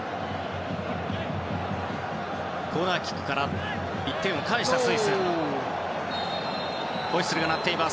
コーナーキックから１点を返したスイスです。